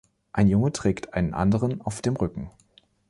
Ein Junge trägt einen anderen auf dem Rücken.